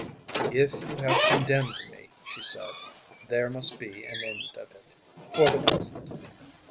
"If you have condemned me," she said, "there must be an end of it, for the present."